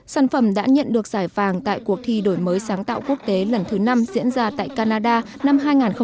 sản phẩm đã nhận được giải vàng tại cuộc thi đổi mới sáng tạo quốc tế lần thứ năm diễn ra tại canada năm hai nghìn hai mươi